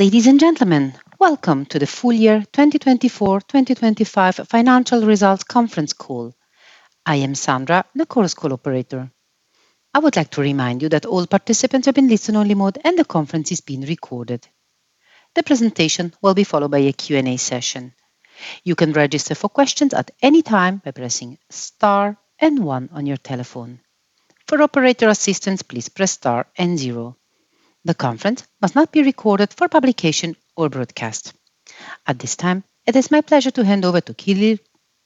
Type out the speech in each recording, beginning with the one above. Ladies and gentlemen, welcome to the full year 2024-2025 Financial Results Conference Call. I am Sandra, the Chorus Call operator. I would like to remind you that all participants are in listen-only mode and the conference is being recorded. The presentation will be followed by a Q&A session. You can register for questions at any time by pressing star and one on your telephone. For operator assistance, please press star and zero. The conference must not be recorded for publication or broadcast. At this time, it is my pleasure to hand over to Kyrill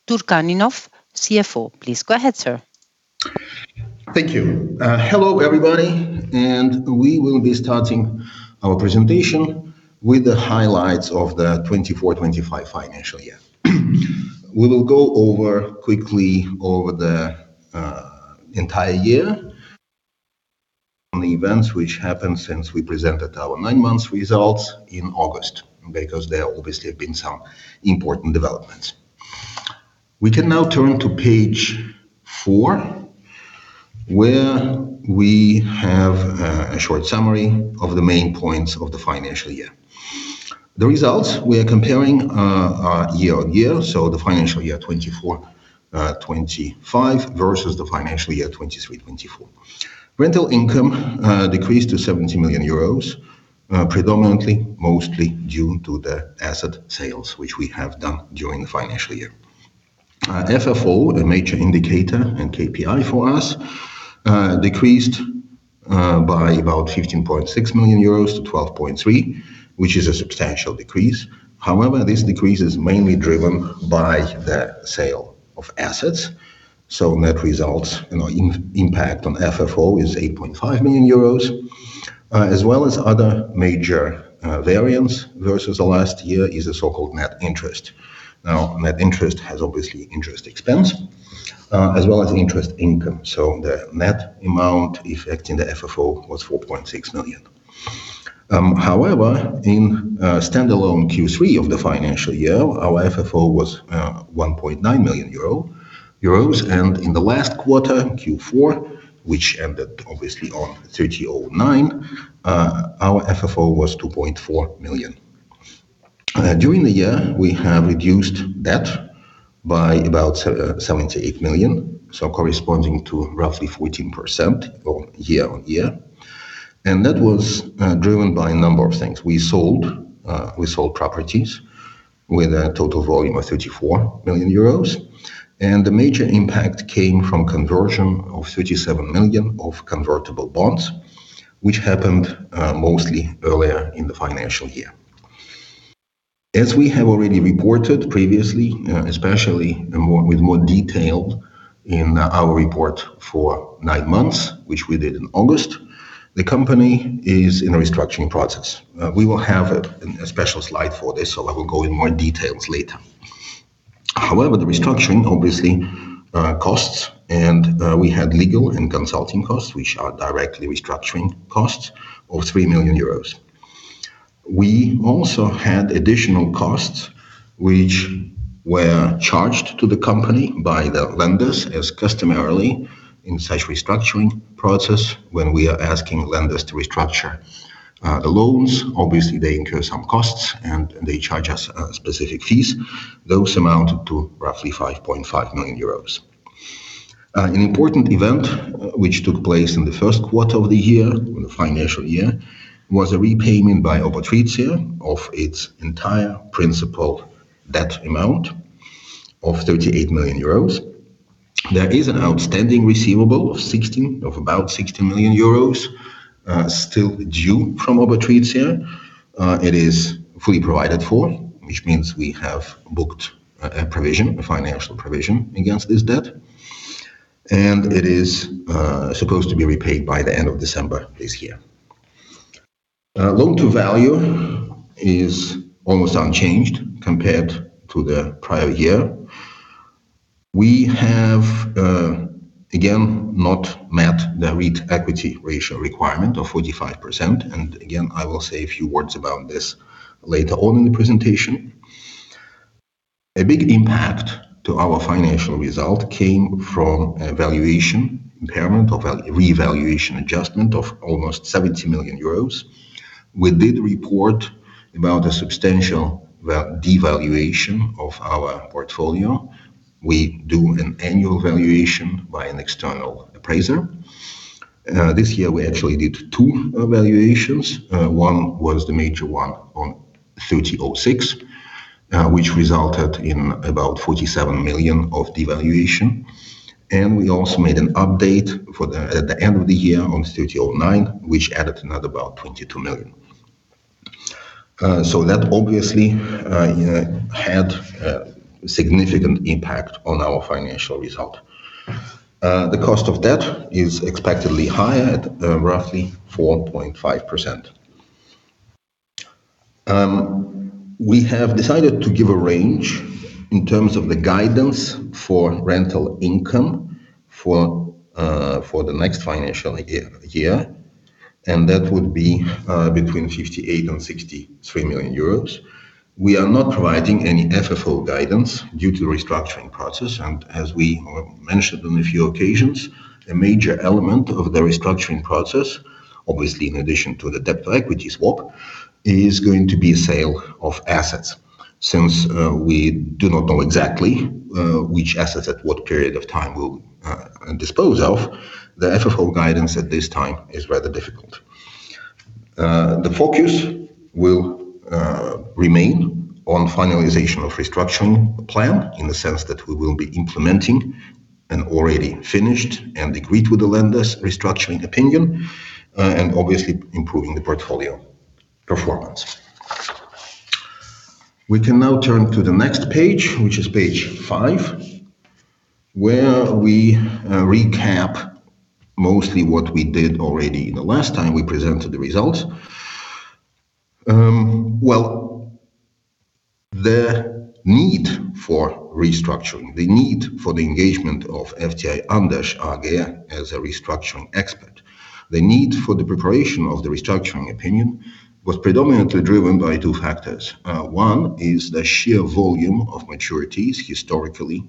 Turchaninov, CFO. Please go ahead, sir. Thank you. Hello, everybody, and we will be starting our presentation with the highlights of the 2024-2025 financial year. We will go over quickly the entire year and the events which happened since we presented our nine-month results in August because there obviously have been some important developments. We can now turn to page four, where we have a short summary of the main points of the financial year. The results we are comparing year-on-year, so the financial year 2024-2025 versus the financial year 2023-2024. Rental income decreased to 70 million euros, predominantly, mostly due to the asset sales, which we have done during the financial year. FFO, a major indicator and KPI for us, decreased by about 15.6 million euros to 12.3 million, which is a substantial decrease. However, this decrease is mainly driven by the sale of assets. So net results and our impact on FFO is 8.5 million euros, as well as other major variants versus the last year is the so-called net interest. Now, net interest has obviously interest expense, as well as interest income. So the net amount effecting the FFO was 4.6 million. However, in standalone Q3 of the financial year, our FFO was 1.9 million euro. And in the last quarter, Q4, which ended obviously on 30-09, our FFO was 2.4 million. During the year, we have reduced debt by about 78 million, so corresponding to roughly 14% year-on-year. And that was driven by a number of things. We sold properties with a total volume of 34 million euros. And the major impact came from conversion of 37 million of convertible bonds, which happened mostly earlier in the financial year. As we have already reported previously, especially with more detail in our report for nine months, which we did in August, the company is in a restructuring process. We will have a special slide for this, so I will go in more details later. However, the restructuring obviously costs, and we had legal and consulting costs, which are directly restructuring costs of 3 million euros. We also had additional costs which were charged to the company by the lenders as customarily in such restructuring process when we are asking lenders to restructure the loans. Obviously, they incur some costs and they charge us specific fees. Those amounted to roughly 5.5 million euros. An important event which took place in the first quarter of the year, the financial year, was a repayment by Obotritia of its entire principal debt amount of 38 million euros. There is an outstanding receivable of about 60 million euros still due from Obotritia. It is fully provided for, which means we have booked a provision, a financial provision against this debt, and it is supposed to be repaid by the end of December this year. Loan to value is almost unchanged compared to the prior year. We have, again, not met the REIT equity ratio requirement of 45%. And again, I will say a few words about this later on in the presentation. A big impact to our financial result came from a valuation impairment or revaluation adjustment of almost 70 million euros. We did report about a substantial devaluation of our portfolio. We do an annual valuation by an external appraiser. This year, we actually did two valuations. One was the major one on 30-06, which resulted in about 47 million of devaluation. We also made an update at the end of the year on 30-09, which added another about 22 million. So that obviously had a significant impact on our financial result. The cost of debt is expectedly higher at roughly 4.5%. We have decided to give a range in terms of the guidance for rental income for the next financial year, and that would be between 58 million and 63 million euros. We are not providing any FFO guidance due to the restructuring process. As we mentioned on a few occasions, a major element of the restructuring process, obviously in addition to the debt-to-equity swap, is going to be sale of assets. Since we do not know exactly which assets at what period of time we'll dispose of, the FFO guidance at this time is rather difficult. The focus will remain on finalization of restructuring plan in the sense that we will be implementing an already finished and agreed with the lenders' restructuring opinion and obviously improving the portfolio performance. We can now turn to the next page, which is page five, where we recap mostly what we did already the last time we presented the results. Well, the need for restructuring, the need for the engagement of FTI-Andersch as a restructuring expert, the need for the preparation of the restructuring opinion was predominantly driven by two factors. One is the sheer volume of maturities historically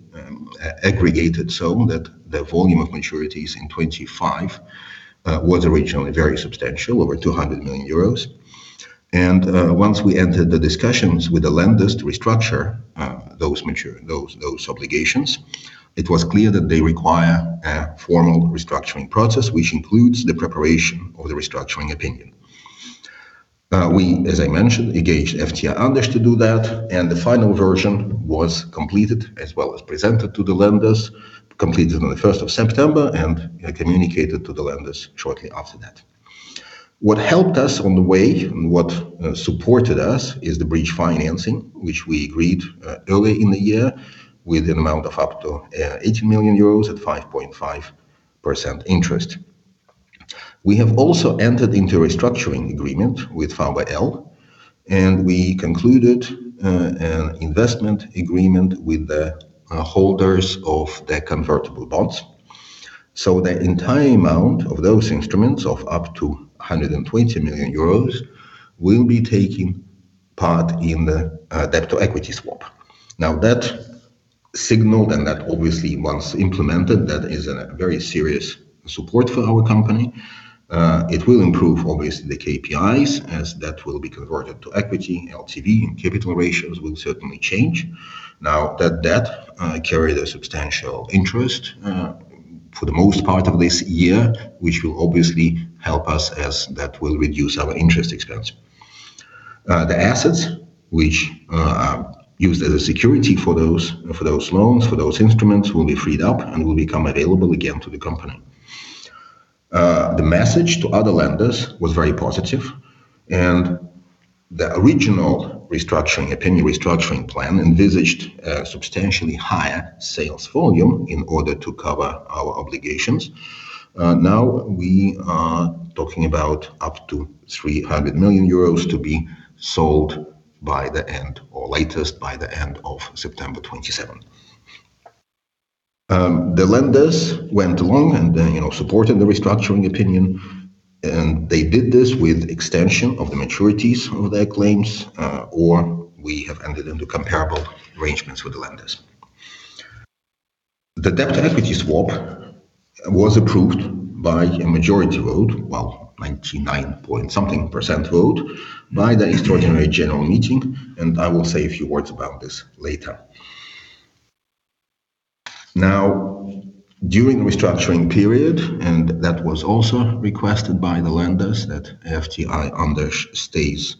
aggregated so that the volume of maturities in 2025 was originally very substantial, over 200 million euros. And once we entered the discussions with the lenders to restructure those obligations, it was clear that they require a formal restructuring process, which includes the preparation of the restructuring opinion. We, as I mentioned, engaged FTI-Andersch to do that, and the final version was completed as well as presented to the lenders, completed on the 1st of September and communicated to the lenders shortly after that. What helped us on the way and what supported us is the bridge financing, which we agreed early in the year with an amount of up to 80 million euros at 5.5% interest. We have also entered into a restructuring agreement with VBL, and we concluded an investment agreement with the holders of the convertible bonds. So the entire amount of those instruments of up to 120 million euros will be taking part in the debt to equity swap. Now, that signaled and that obviously, once implemented, that is a very serious support for our company. It will improve, obviously, the KPIs as that will be converted to equity. LTV and capital ratios will certainly change. Now, that debt carried a substantial interest for the most part of this year, which will obviously help us as that will reduce our interest expense. The assets, which are used as a security for those loans, for those instruments, will be freed up and will become available again to the company. The message to other lenders was very positive, and the original restructuring opinion restructuring plan envisaged a substantially higher sales volume in order to cover our obligations. Now, we are talking about up to 300 million euros to be sold by the end, or latest by the end of September 27. The lenders went along and supported the restructuring opinion, and they did this with extension of the maturities of their claims, or we have entered into comparable arrangements with the lenders. The debt to equity swap was approved by a majority vote, well, 99 point something % vote by the extraordinary general meeting, and I will say a few words about this later. Now, during the restructuring period, and that was also requested by the lenders, that FTI-Andersch stays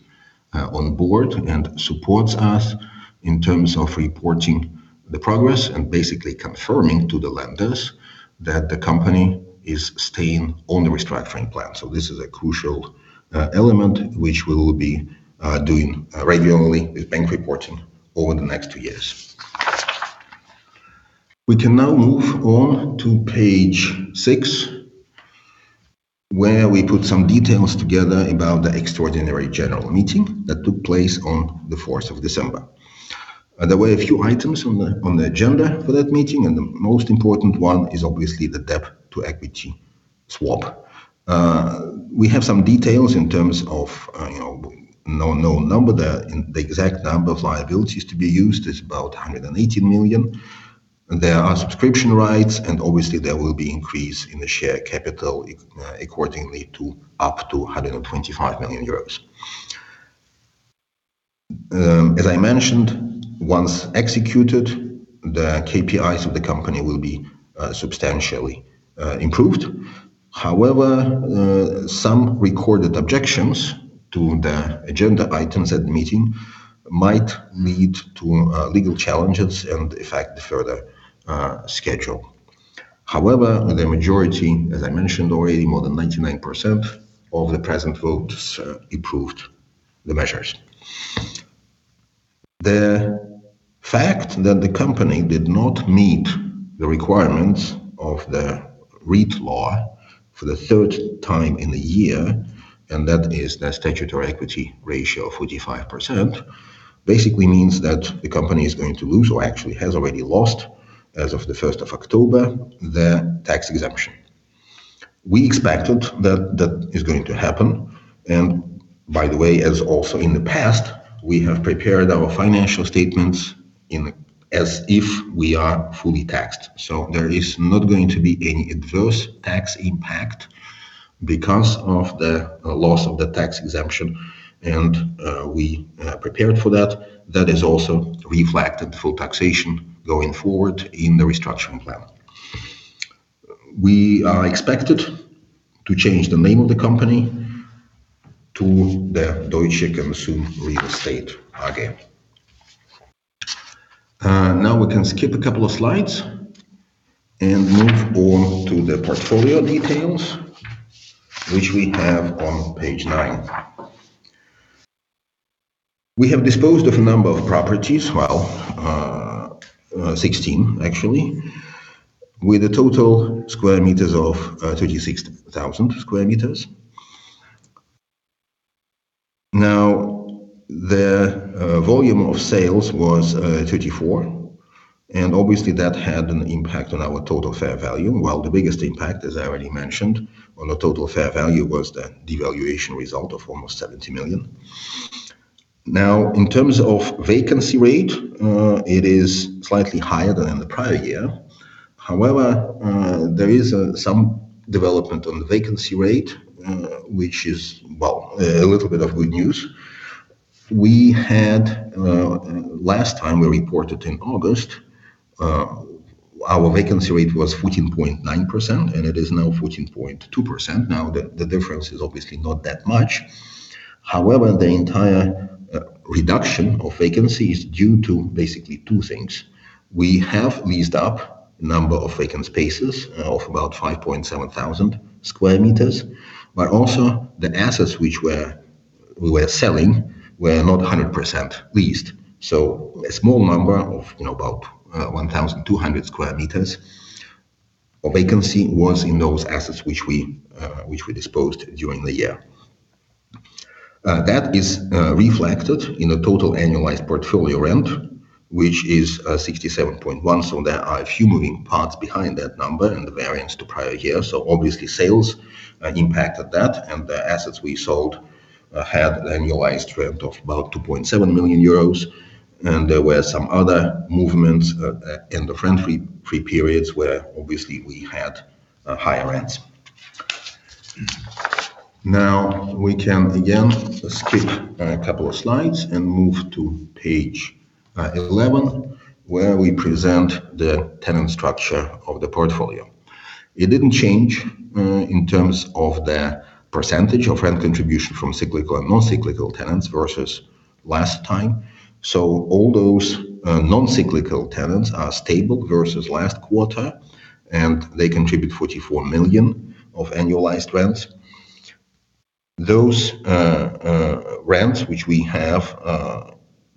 on board and supports us in terms of reporting the progress and basically confirming to the lenders that the company is staying on the restructuring plan. So this is a crucial element which we will be doing regularly with bank reporting over the next two years. We can now move on to page six, where we put some details together about the extraordinary general meeting that took place on the 4th of December. There were a few items on the agenda for that meeting, and the most important one is obviously the debt to equity swap. We have some details in terms of no known number. The exact number of liabilities to be used is about 180 million. There are subscription rights, and obviously, there will be an increase in the share capital accordingly to up to 125 million euros. As I mentioned, once executed, the KPIs of the company will be substantially improved. However, some recorded objections to the agenda items at the meeting might lead to legal challenges and affect the further schedule. However, the majority, as I mentioned already, more than 99% of the present votes approved the measures. The fact that the company did not meet the requirements of the REIT law for the third time in the year, and that is the statutory equity ratio of 45%, basically means that the company is going to lose, or actually has already lost as of the 1st of October, the tax exemption. We expected that that is going to happen, and by the way, as also in the past, we have prepared our financial statements as if we are fully taxed. So there is not going to be any adverse tax impact because of the loss of the tax exemption, and we prepared for that. That is also reflected in full taxation going forward in the restructuring plan. We are expected to change the name of the company to Deutsche Konsum REIT-AG. Now we can skip a couple of slides and move on to the portfolio details, which we have on page nine. We have disposed of a number of properties, well, 16 actually, with a total square meters of 36,000 sq m. Now, the volume of sales was 34, and obviously, that had an impact on our total fair value. The biggest impact, as I already mentioned, on the total fair value was the devaluation result of almost 70 million. Now, in terms of vacancy rate, it is slightly higher than in the prior year. However, there is some development on the vacancy rate, which is, well, a little bit of good news. Last time we reported in August, our vacancy rate was 14.9%, and it is now 14.2%. Now, the difference is obviously not that much. However, the entire reduction of vacancy is due to basically two things. We have leased up a number of vacant spaces of about 5.7 thousand square meters, but also the assets which we were selling were not 100% leased. So a small number of about 1,200 square meters of vacancy was in those assets which we disposed during the year. That is reflected in the total annualized portfolio rent, which is 67.1. There are a few moving parts behind that number and the variance to prior year. So obviously, sales impacted that, and the assets we sold had an annualized rent of about 2.7 million euros, and there were some other movements in the rent-free periods where obviously we had higher rents. Now, we can again skip a couple of slides and move to page 11, where we present the tenant structure of the portfolio. It didn't change in terms of the percentage of rent contribution from cyclical and non-cyclical tenants versus last time. So all those non-cyclical tenants are stable versus last quarter, and they contribute 44 million of annualized rents. Those rents which we have,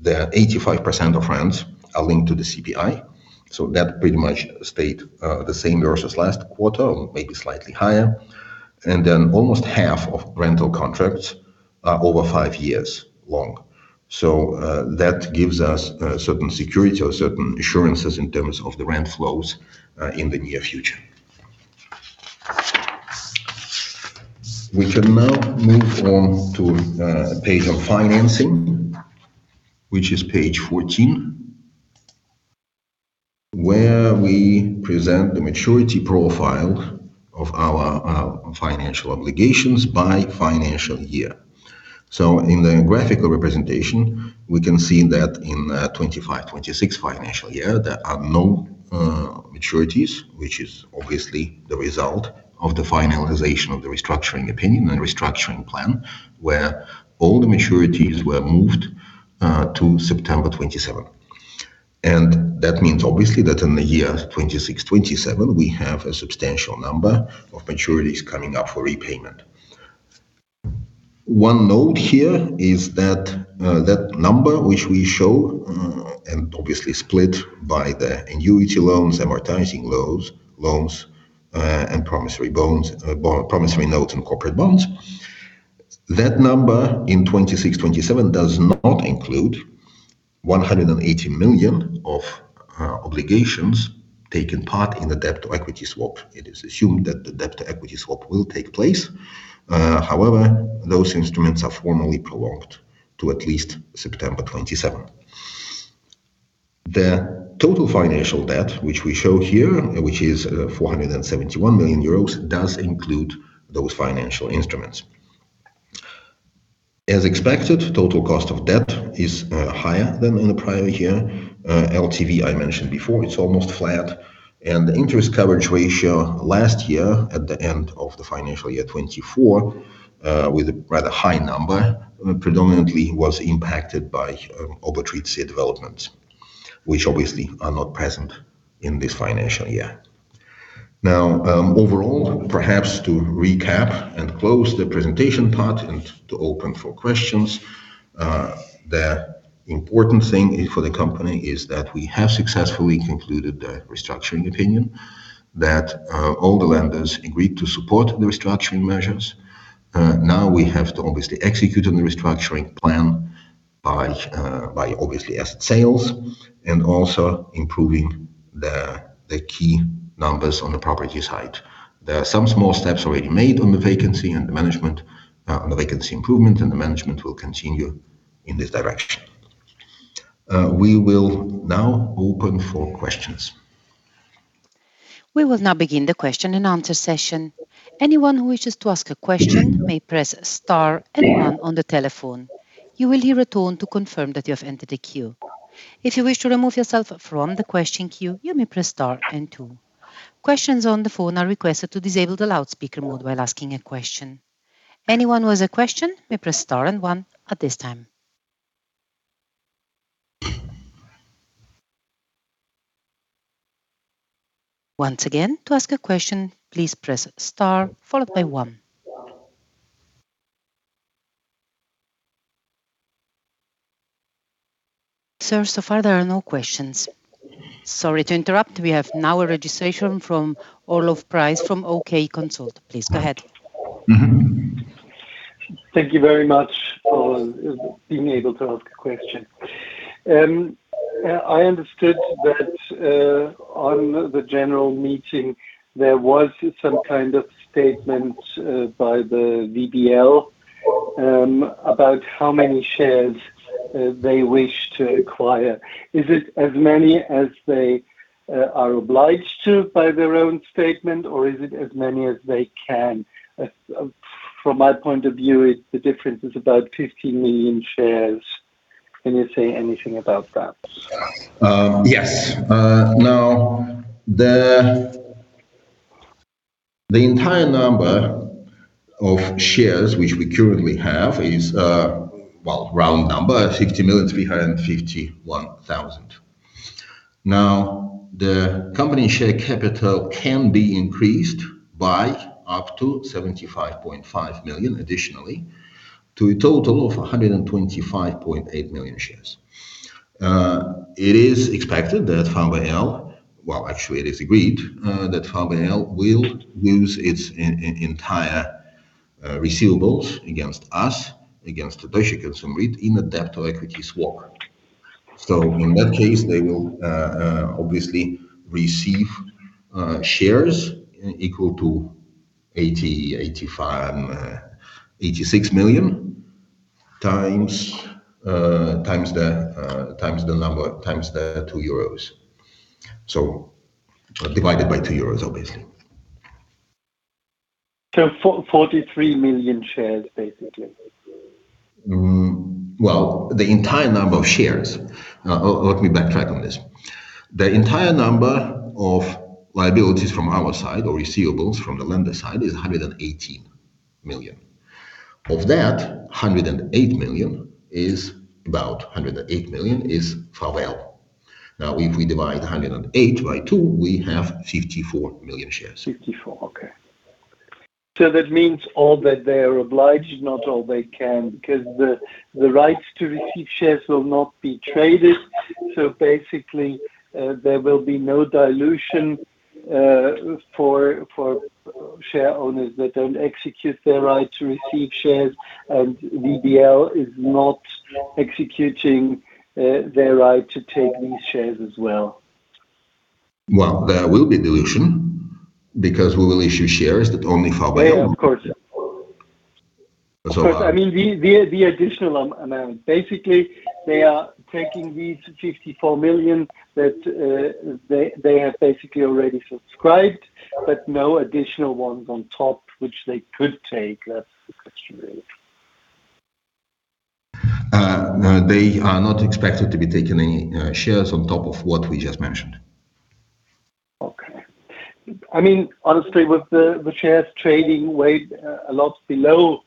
the 85% of rents are linked to the CPI. So that pretty much stayed the same versus last quarter, maybe slightly higher. And then almost half of rental contracts are over five years long. So that gives us a certain security or certain assurances in terms of the rent flows in the near future. We can now move on to page on financing, which is page 14, where we present the maturity profile of our financial obligations by financial year. So in the graphical representation, we can see that in the 25-26 financial year, there are no maturities, which is obviously the result of the finalization of the restructuring opinion and restructuring plan, where all the maturities were moved to September 27. And that means obviously that in the year 26-27, we have a substantial number of maturities coming up for repayment. One note here is that that number which we show and obviously split by the annuity loans, amortizing loans, and promissory notes and corporate bonds, that number in 2026-2027 does not include 180 million of obligations taking part in the debt-to-equity swap. It is assumed that the debt-to-equity swap will take place. However, those instruments are formally prolonged to at least September 27. The total financial debt, which we show here, which is 471 million euros, does include those financial instruments. As expected, total cost of debt is higher than in the prior year. LTV, I mentioned before, it's almost flat. And the interest coverage ratio last year at the end of the financial year 2024, with a rather high number, predominantly was impacted by obligations developments, which obviously are not present in this financial year. Now, overall, perhaps to recap and close the presentation part and to open for questions, the important thing for the company is that we have successfully concluded the restructuring opinion, that all the lenders agreed to support the restructuring measures. Now we have to obviously execute on the restructuring plan by obviously asset sales and also improving the key numbers on the property side. There are some small steps already made on the vacancy and the management, on the vacancy improvement, and the management will continue in this direction. We will now open for questions. We will now begin the question and answer session. Anyone who wishes to ask a question may press star and one on the telephone. You will hear a tone to confirm that you have entered a queue. If you wish to remove yourself from the question queue, you may press star and two. Questions on the phone are requested to disable the loudspeaker mode while asking a question. Anyone who has a question may press star and one at this time. Once again, to ask a question, please press star followed by one. Sir, so far there are no questions. Sorry to interrupt. We have now a registration from Olaf Preiss from O.K. Consult. Please go ahead. Thank you very much for being able to ask a question. I understood that on the general meeting, there was some kind of statement by the VBL about how many shares they wish to acquire. Is it as many as they are obliged to by their own statement, or is it as many as they can? From my point of view, the difference is about 15 million shares. Can you say anything about that? Yes. Now, the entire number of shares which we currently have is, well, round number, 50,351,000. Now, the company share capital can be increased by up to 75.5 million additionally to a total of 125.8 million shares. It is expected that VBL, well, actually it is agreed that VBL will use its entire receivables against us, against the Deutsche Konsum REIT in a debt to equity swap. So in that case, they will obviously receive shares equal toEUR86 million times the number, times the 2 euros, so divided by 2 euros, obviously. So 43 million shares, basically. The entire number of shares, let me backtrack on this. The entire number of liabilities from our side or receivables from the lender side is 118 million. Of that, 108 million is VBL. Now, if we divide 108 by two, we have 54 million shares. 54, okay. That means all that they are obliged, not all they can, because the rights to receive shares will not be traded. Basically, there will be no dilution for share owners that don't execute their right to receive shares, and VBL is not executing their right to take these shares as well. There will be dilution because we will issue shares that only VBL will. Yeah, of course. Of course. I mean, the additional amount, basically, they are taking these 54 million that they have basically already subscribed, but no additional ones on top which they could take. That's the question, really. They are not expected to be taking any shares on top of what we just mentioned. Okay. I mean, honestly, with the shares trading way a lot below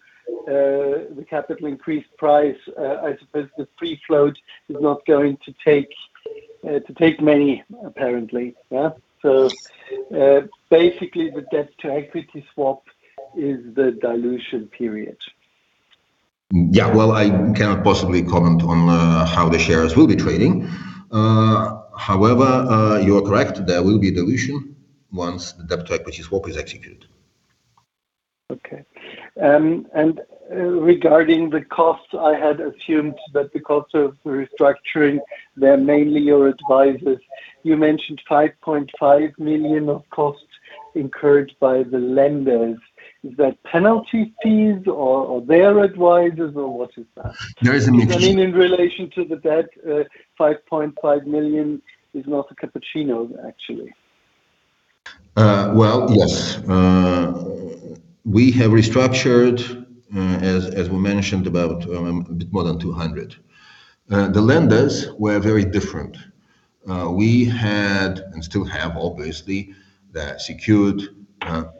the capital increase price, I suppose the free float is not going to take many, apparently. So basically, the debt to equity swap is the dilution period. Yeah, well, I cannot possibly comment on how the shares will be trading. However, you are correct. There will be dilution once the debt to equity swap is executed. Okay. And regarding the costs, I had assumed that because of the restructuring, they're mainly your advisors. You mentioned 5.5 million of costs incurred by the lenders. Is that penalty fees or their advisors, or what is that? There is a mixture. I mean, in relation to the debt, 5.5 million is not a cappuccino, actually. Well, yes. We have restructured, as we mentioned, about a bit more than 200. The lenders were very different. We had and still have, obviously, the secured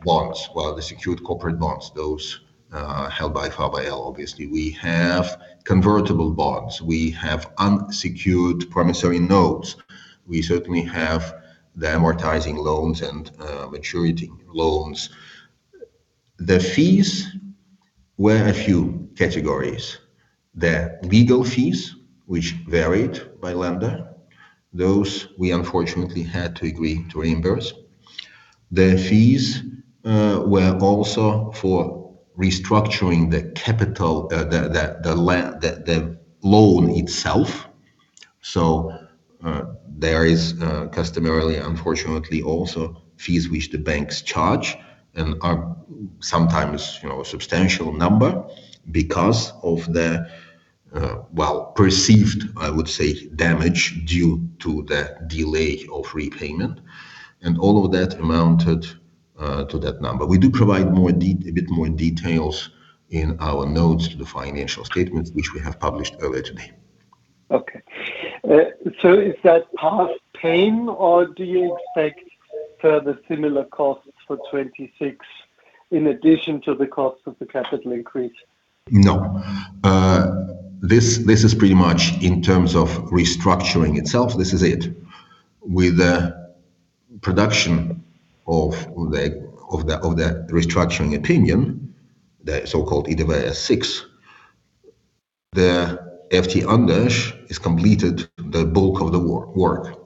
bonds, well, the secured corporate bonds, those held by VBL, obviously. We have convertible bonds. We have unsecured promissory notes. We certainly have the amortizing loans and maturity loans. The fees were a few categories. The legal fees, which varied by lender, those we unfortunately had to agree to reimburse. The fees were also for restructuring the loan itself. So there is customarily, unfortunately, also fees which the banks charge and are sometimes a substantial number because of the, well, perceived, I would say, damage due to the delay of repayment, and all of that amounted to that number. We do provide a bit more details in our notes to the financial statements, which we have published earlier today. Okay, so is that past pain, or do you expect further similar costs for 2026 in addition to the cost of the capital increase? No. This is pretty much in terms of restructuring itself. This is it. With the production of the restructuring opinion, the so-called IDW S6, theFTI-Andersch has completed the bulk of the work.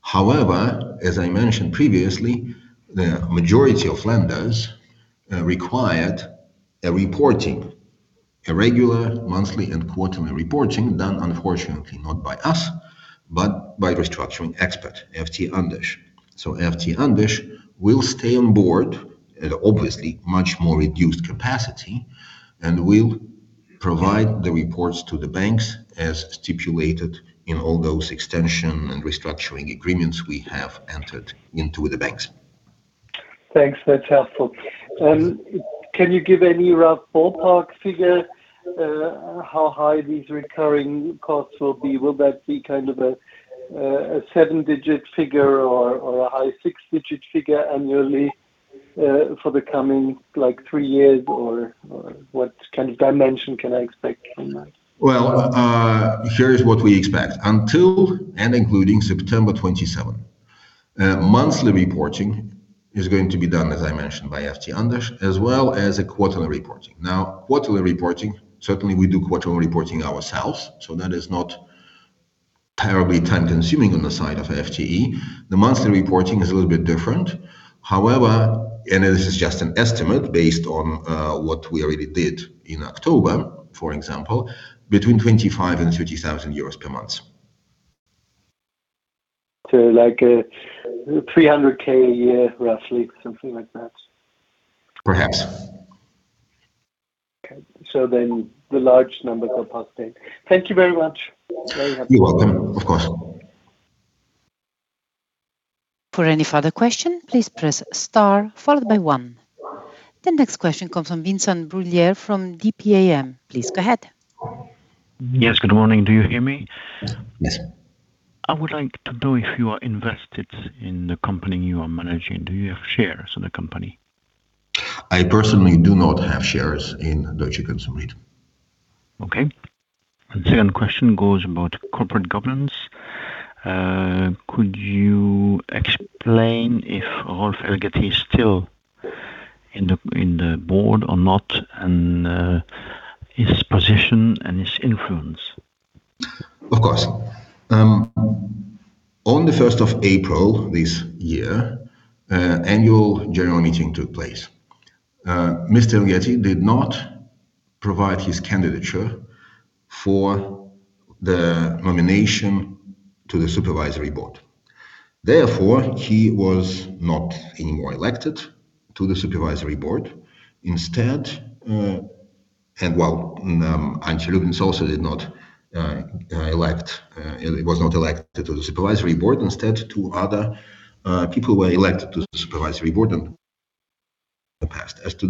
However, as I mentioned previously, the majority of lenders required a reporting, a regular monthly and quarterly reporting done, unfortunately, not by us, but by the restructuring expert, FTI-Andersch. SoFTI-Andersch will stay on board at, obviously, much more reduced capacity and will provide the reports to the banks as stipulated in all those extension and restructuring agreements we have entered into with the banks. Thanks. That's helpful. Can you give any rough ballpark figure how high these recurring costs will be? Will that be kind of a seven-digit figure or a high six-digit figure annually for the coming three years, or what kind of dimension can I expect from that? Well, here is what we expect. Until and including September 27, monthly reporting is going to be done, as I mentioned, by FTI-Andersch, as well as a quarterly reporting. Now, quarterly reporting, certainly we do quarterly reporting ourselves, so that is not terribly time-consuming on the side of FTE. The monthly reporting is a little bit different. However, and this is just an estimate based on what we already did in October, for example, betweenEUR 25,000 and 30,000 euros per month. So like 300 a year, roughly, something like that? Perhaps. Okay. So then the large numbers are passed in. Thank you very much. Very helpful. You're welcome. Of course. For any further question, please press star followed by one. The next question comes from Vincent Bruyère from DPAM. Please go ahead. Yes. Good morning. Do you hear me? Yes. I would like to know if you are invested in the company you are managing. Do you have shares in the company? I personally do not have shares in Deutsche Konsum REIT. Okay. The second question goes about corporate governance. Could you explain if Rolf Elgeti is still in the board or not and his position and his influence? Of course. On the 1st of April this year, annual general meeting took place. Mr. Elgeti did not provide his candidature for the nomination to the supervisory board. Therefore, he was not anymore elected to the supervisory board. Instead, and while Antje Lubitz also did not elect, was not elected to the supervisory board, instead two other people were elected to the supervisory board in the past. As to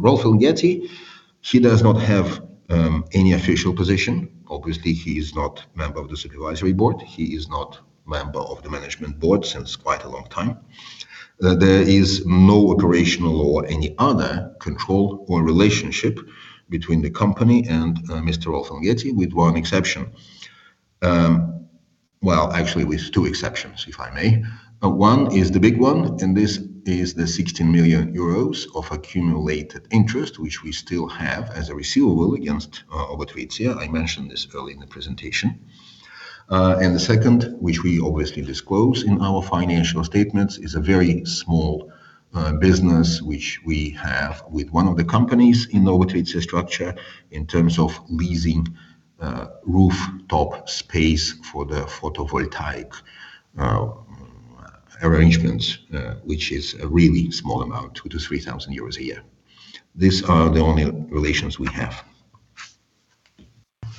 Rolf Elgeti, he does not have any official position. Obviously, he is not a member of the supervisory board. He is not a member of the management board since quite a long time. There is no operational or any other control or relationship between the company and Mr. Rolf Elgeti, with one exception. Well, actually, with two exceptions, if I may. One is the big one, and this is the 16 million euros of accumulated interest, which we still have as a receivable against Obotritia. I mentioned this early in the presentation. And the second, which we obviously disclose in our financial statements, is a very small business which we have with one of the companies in the Obotritia structure in terms of leasing rooftop space for the photovoltaic arrangements, which is a really small amount, 2,000-3,000 euros a year. These are the only relations we have.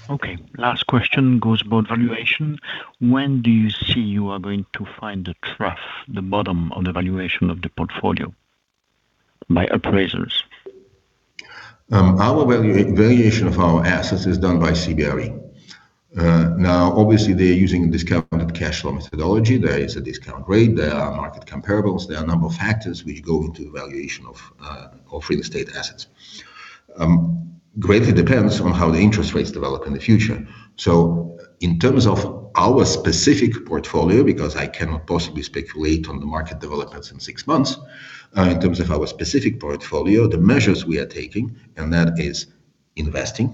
Okay. Last question goes about valuation. When do you see you are going to find the trough, the bottom of the valuation of the portfolio by appraisers? Our valuation of our assets is done by CBRE. Now, obviously, they're using a discounted cash flow methodology. There is a discount rate. There are market comparables. There are a number of factors which go into the valuation of real estate assets. It greatly depends on how the interest rates develop in the future, so in terms of our specific portfolio, because I cannot possibly speculate on the market developments in six months, in terms of our specific portfolio, the measures we are taking, and that is investing,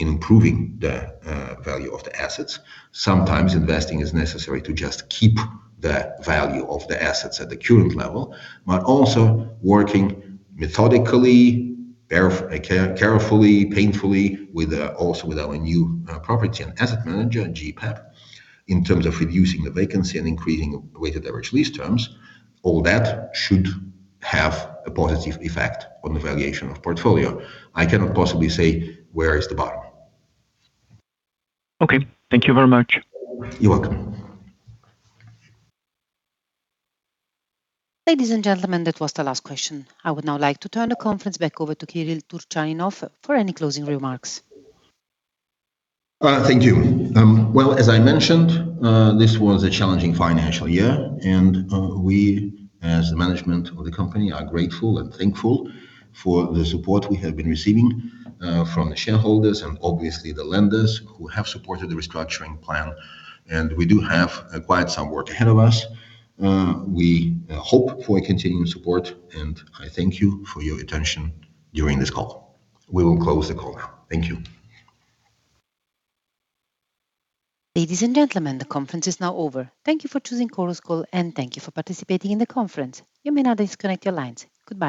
improving the value of the assets. Sometimes investing is necessary to just keep the value of the assets at the current level, but also working methodically, carefully, painfully, also with our new property and asset manager, GPEP, in terms of reducing the vacancy and increasing weighted average lease terms. All that should have a positive effect on the valuation of the portfolio. I cannot possibly say where is the bottom. Okay. Thank you very much. You're welcome. Ladies and gentlemen, that was the last question. I would now like to turn the conference back over to Kyrill Turchaninov for any closing remarks. Thank you. As I mentioned, this was a challenging financial year, and we, as the management of the company, are grateful and thankful for the support we have been receiving from the shareholders and obviously the lenders who have supported the restructuring plan. We do have quite some work ahead of us. We hope for continued support, and I thank you for your attention during this call. We will close the call now. Thank you. Ladies and gentlemen, the conference is now over. Thank you for choosing Chorus Call, and thank you for participating in the conference. You may now disconnect your lines. Goodbye.